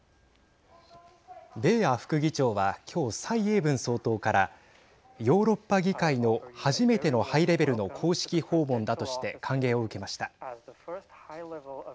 ベーア副議長は今日蔡英文総統からヨーロッパ議会の初めてのハイレベルの公式訪問だとして歓迎を受けました。